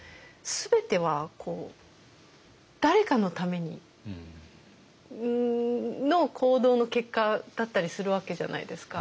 全ては誰かのための行動の結果だったりするわけじゃないですか。